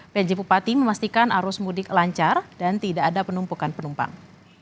pj bupati memastikan arus mudik lancar dan tidak ada penumpukan penumpang